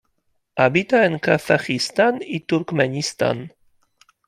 Habita en Kazajistán y Turkmenistán.